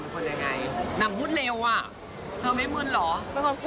อย่างนี้ก็ติดตามดูนะคะ